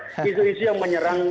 isu isu yang menyerang